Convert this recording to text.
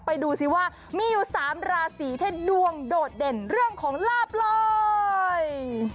ดูสิว่ามีอยู่๓ราศีที่ดวงโดดเด่นเรื่องของลาบลอย